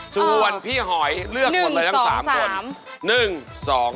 ส่วนพี่หอยเลือกหมดเลยทั้ง๓คน